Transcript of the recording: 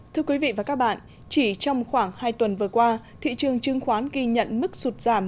thưa quý vị và các bạn chỉ trong khoảng hai tuần vừa qua thị trường chứng khoán ghi nhận mức sụt giảm